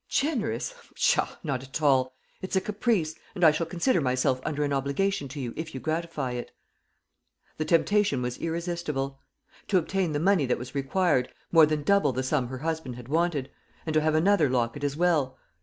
"Generous! Pshaw, not at all. It's a caprice; and I shall consider myself under an obligation to you if you gratify it." The temptation was irresistible. To obtain the money that was required more than double the sum her husband had wanted and to have another locket as well!